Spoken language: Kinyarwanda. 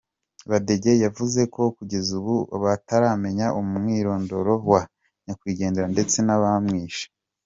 Badege yavuze ko kugeza ubu, bataramenya umwirondoro wa nyakwigendera ndetse n’abamwishe.